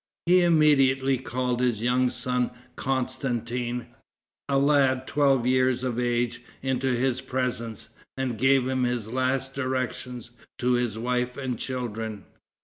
He immediately called his young son Constantin, a lad twelve years of age, into his presence, and gave his last directions to his wife and children.